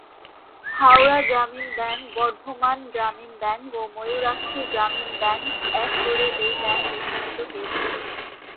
Howrah Gramin bank, Bardhaman Gramin bank ও Mayurakshi Gramin bank এক করে এই ব্যাঙ্ক স্থাপিত হয়েছিল।